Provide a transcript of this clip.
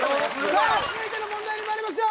さあ続いての問題にまいりますよ。